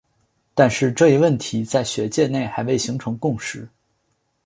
但是这一问题在学界内还未形成共识。